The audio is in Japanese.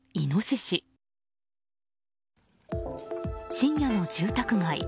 深夜の住宅街。